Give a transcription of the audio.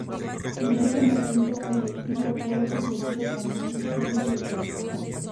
En ese momento, el estilo fue referido como un diseño de pontón.